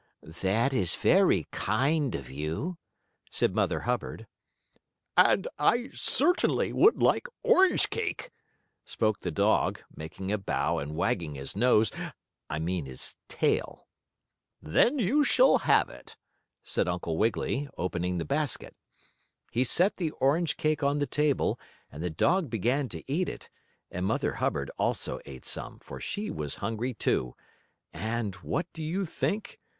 "That is very kind of you," said Mother Hubbard. "And I certainly would like orange cake," spoke the dog, making a bow and wagging his nose I mean his tail. "Then you shall have it," said Uncle Wiggily, opening the basket. He set the orange cake on the table, and the dog began to eat it, and Mother Hubbard also ate some, for she was hungry, too, and, what do you think?